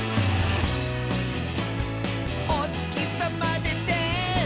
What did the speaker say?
「おつきさまでて」